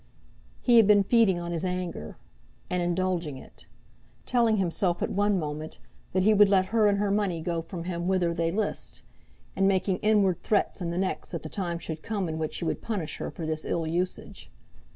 He had been feeding on his anger, and indulging it, telling himself at one moment that he would let her and her money go from him whither they list, and making inward threats in the next that the time should come in which he would punish her for this ill usage.